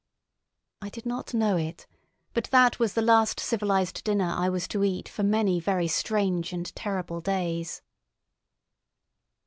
I did not know it, but that was the last civilised dinner I was to eat for very many strange and terrible days.